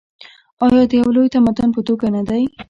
آیا د یو لوی تمدن په توګه نه دی؟